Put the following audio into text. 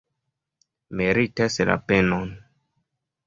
Meritas la penon!